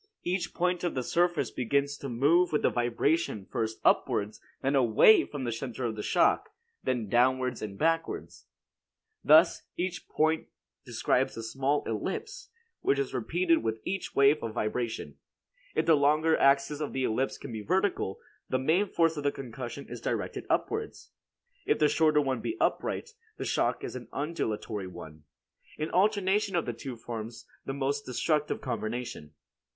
Each point of the surface begins to move with the vibration first upwards, then away from the center of shock, then downward and backwards. Thus, each point describes a small ellipse, which is repeated with each wave of vibration. If the longer axis of the ellipse be vertical, the main force of the concussion is directed upwards; if the shorter one be upright, the shock is an undulatory one. An alternation of the two forms the most destructive combination.